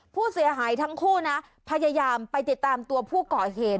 ผู้เสียหายทั้งคู่นะพยายามไปติดตามตัวผู้ก่อเหตุ